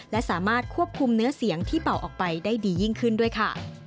และสามารถควบคุมเนื้อเสียงที่เป่าออกไปได้ดียิ่งขึ้นด้วยค่ะ